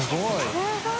すごい。